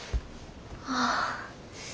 ああ。